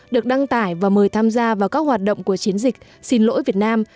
được đăng tải và mời tham gia vào các hoạt động của chiến dịch xin lỗi việt nam